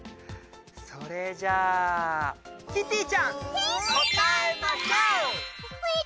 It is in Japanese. それじゃあキティちゃん！えっ！？